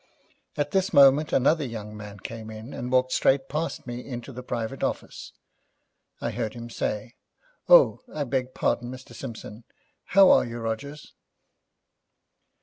At this moment another young man came in, and walked straight past me into the private office. I heard him say, 'Oh, I beg pardon, Mr. Simpson. How are you, Rogers?'